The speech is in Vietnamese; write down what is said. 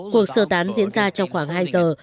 cuộc sơ tán diễn ra trong khoảng hai giờ